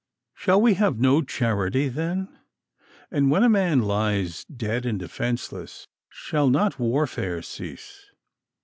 Shall we have no charity, then? and when a man lies dead and defenceless, shall not warfare cease?